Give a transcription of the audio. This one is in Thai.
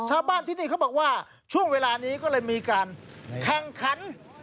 ชาวบ้านที่นี่เขาบอกว่าช่วงเวลานี้ก็เลยมีการแข่งขัน